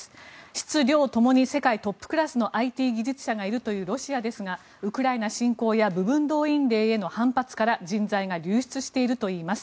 質・量ともに世界トップクラスのＩＴ技術者がいるというロシアですがウクライナ侵攻や部分動員令への反発から人材が流出しているといいます。